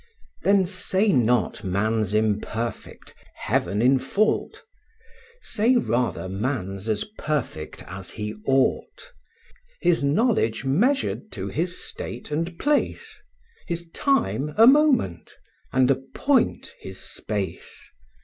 Then say not man's imperfect, Heaven in fault; Say rather man's as perfect as he ought: His knowledge measured to his state and place; His time a moment, and a point his space.